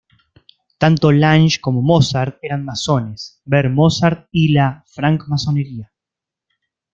Tanto Lange como Mozart eran masones; ver Mozart y la francmasonería.